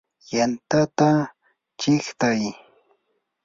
yantata chiqtay.